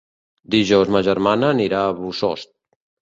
Dijous ma germana anirà a Bossòst.